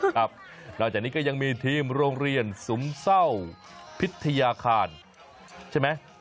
ครับนอกจากนี้ก็ยังมีทีมโรงเรียนสุมเศร้าพิทยาคารใช่ไหม